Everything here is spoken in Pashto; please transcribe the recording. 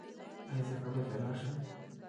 ایا زه کابل ته لاړ شم؟